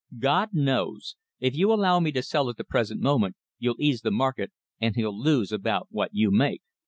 "God knows! If you allow me to sell at the present moment, you'll ease the market, and he'll lose about what you make."